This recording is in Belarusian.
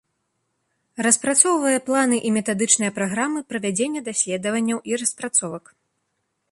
Распрацоўвае планы і метадычныя праграмы правядзення даследаванняў і распрацовак.